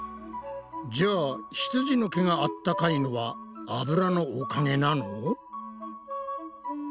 じゃあひつじの毛があったかいのはあぶらのおかげなの？